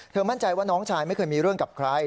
มั่นใจว่าน้องชายไม่เคยมีเรื่องกับใคร